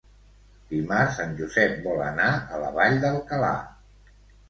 Dimarts en Josep vol anar a la Vall d'Alcalà.